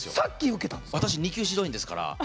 私、２級指導員ですから。